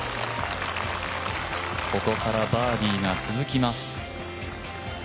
ここからバーディーが続きます。